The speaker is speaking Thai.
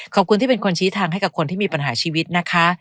ขอบคุณที่เป็นคนชี้ทางให้กับคนที่มีปัญหาชีวิตนะคะ